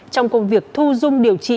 trong công việc thu dung điều trị